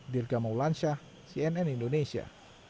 dirga maulansyah cnn indonesia